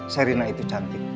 serena itu cantik